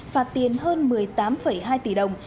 phạt tiền hơn một mươi tám hai tỷ đồng